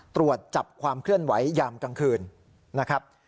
ตรวจจับความเคลื่อนไหวยามกลางคืนนะครับ